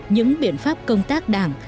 những biện pháp công tác đảng